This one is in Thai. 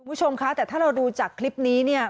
คุณผู้ชมคะแต่ถ้าเราดูจากคลิปนี้เนี่ย